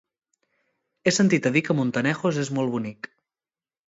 He sentit a dir que Montanejos és molt bonic.